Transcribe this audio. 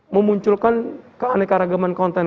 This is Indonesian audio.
memunculkan keanekaragaman konten